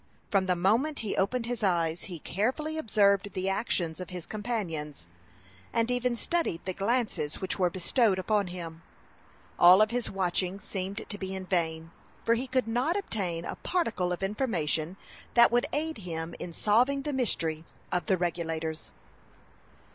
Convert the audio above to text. From the moment he opened his eyes he carefully observed the actions of his companions, and even studied the glances which were bestowed upon him. All his watching seemed to be in vain, for he could not obtain a particle of information that would aid him in solving the mystery of the Regulators.